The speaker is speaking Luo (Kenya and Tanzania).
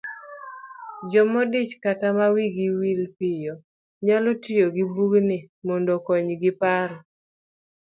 Jomodich kata ma wigi wil piyo, nyalo tiyo gi bugni mondo okonyji paro